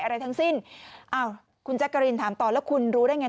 อะไรทั้งสิ้นคุณจักรินถามต่อแล้วคุณรู้ได้ไง